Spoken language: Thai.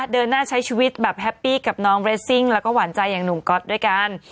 เดินหน้าใช้ชีวิตแบบแฮปปี้กับน้องเรสซิ่งแล้วก็หวานใจอย่างหนุ่มก๊อตด้วยกัน